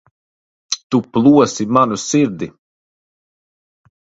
Tu plosi manu sirdi.